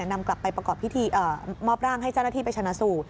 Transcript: นำกลับไปประกอบพิธีมอบร่างให้เจ้าหน้าที่ไปชนะสูตร